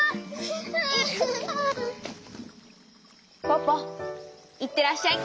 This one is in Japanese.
ポポいってらっしゃい！